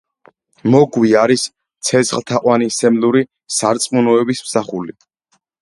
მოგვი არის ცეცხლთაყვანისმცემლური სარწყმუნოების მსახული.